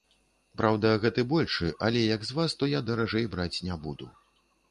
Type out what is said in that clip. Праўда, гэты большы, але як з вас, то я даражэй браць не буду.